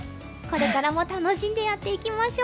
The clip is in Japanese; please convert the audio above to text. これからも楽しんでやっていきましょう！